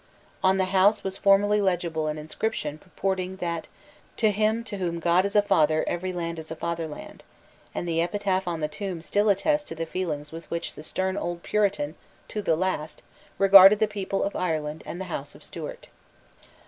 On the house was formerly legible an inscription purporting that to him to whom God is a father every land is a fatherland; and the epitaph on the tomb still attests the feelings with which the stern old Puritan to the last regarded the people of Ireland and the House of Stuart.